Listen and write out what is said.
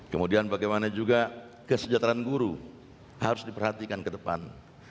kemudian bagaimana juga kesejahteraan guru harus diperhatikan ke depan